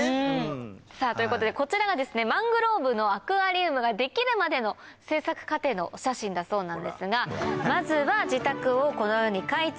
さぁということでこちらがマングローブのアクアリウムが出来るまでの製作過程のお写真だそうなんですがまずはこのように。